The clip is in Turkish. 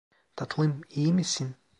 Tatlım, iyi misin?